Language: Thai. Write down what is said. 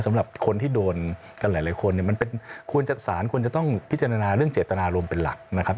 สำหรับคนที่โดนกับหลายคนมันควรจะต้องพิจารณาเรื่องเจตนารมเป็นหลักนะครับ